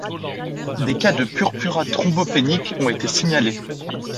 Des cas de purpura thrombopénique ont été signalés.